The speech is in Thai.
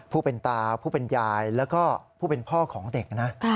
ผู้เป็นตาผู้เป็นยายแล้วก็ผู้เป็นพ่อของเด็กนะ